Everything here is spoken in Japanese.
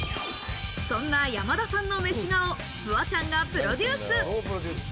そんな山田さんの、めし画をフワちゃんがプロデュース。